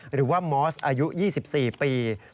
หรือว่ามอสอายุ๒๔ปี